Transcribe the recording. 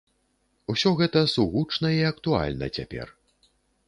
Усё гэта сугучна і актуальна цяпер.